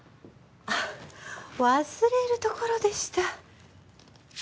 忘れるところでした。